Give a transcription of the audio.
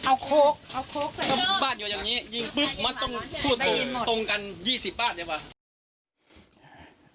เอาโค้กเอาโค้กใส่บ้านอยู่อย่างนี้ยิงปุ๊บมันต้องพูดตรงตรงกัน๒๐บ้านดีกว่า